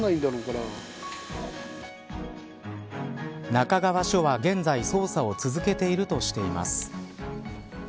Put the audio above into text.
那珂川署は現在捜査を続けているとしています。